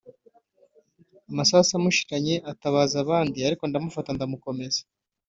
amasasu amushiranye atabaza abandi ariko ndamufata ndamukomeza